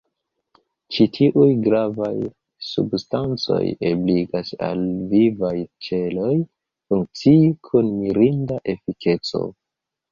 Ĉi tiuj gravaj substancoj ebligas al vivaj ĉeloj funkcii kun mirinda efikeco.